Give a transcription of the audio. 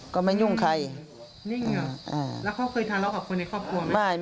ก็ไม่ยุ่งใคร